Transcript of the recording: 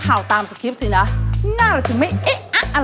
อ้าวไม่ตามต่อหรอ